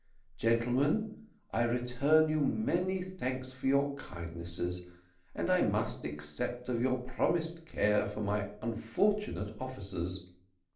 Gentlemen, I return you many thanks for your kindness, and I must accept of your promised care for my unfortunate officers.